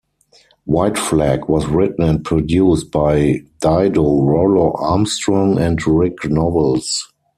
"White Flag" was written and produced by Dido, Rollo Armstrong and Rick Nowels.